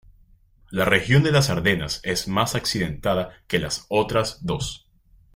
La región de las Ardenas es más accidentada que las otras dos.